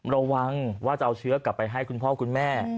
ระวังว่าจะเอาเชื้อกลับไปให้คุณพ่อคุณแม่